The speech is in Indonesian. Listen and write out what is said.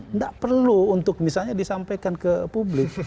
tidak perlu untuk misalnya disampaikan ke publik